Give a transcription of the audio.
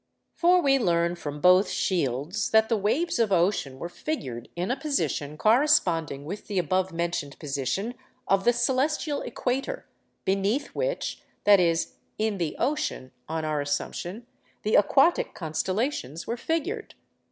For we learn from both 'shields' that the waves of ocean were figured in a position corresponding with the above mentioned position of the celestial equator, beneath which—that is, in the ocean, on our assumption—the aquatic constellations were figured.